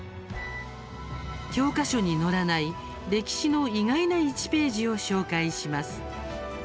「教科書に載らない歴史の意外な１ページ」を紹介します。